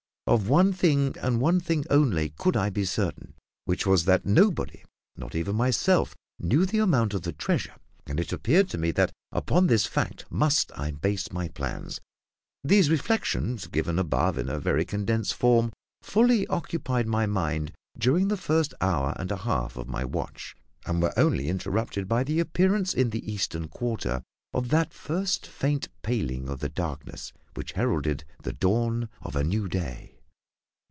Of one thing, and one thing only, could I be certain, which was that nobody not even myself knew the amount of the treasure; and it appeared to me that upon this fact must I base my plans. These reflections, given above in a very condensed form, fully occupied my mind during the first hour and a half of my watch, and were only interrupted by the appearance in the eastern quarter of that first faint paling of the darkness which heralded the dawn of a new day.